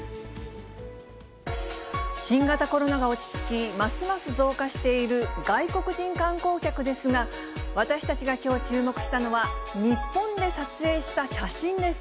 新型コロナが落ち着き、ますます増加している外国人観光客ですが、私たちがきょう、注目したのは、日本で撮影した写真です。